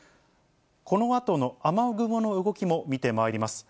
このあとの雨雲の動きも見てまいります。